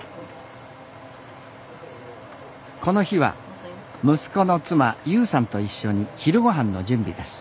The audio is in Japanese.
この日は息子の妻憂さんと一緒に昼ごはんの準備です。